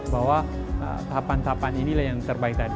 bahwa tahapan tahapan inilah yang terbaik tadi